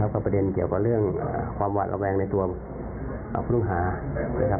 แล้วก็ประเด็นเกี่ยวกับเรื่องความหวาดระแวงในตัวผู้ต้องหานะครับ